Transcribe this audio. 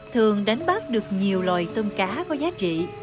thường đánh bắt được nhiều loài tôm cá có giá trị